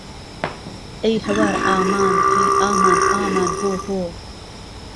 ئەی ههوار ئامان هەی ئامان ئامان هۆ هۆ